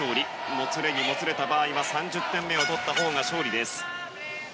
もつれにもつれた場合は３０点目を取ったほうが勝利。